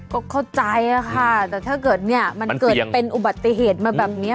ก็เข้าใจค่ะแต่ถ้าเกิดเนี่ยมันเกิดเป็นอุบัติเหตุมาแบบนี้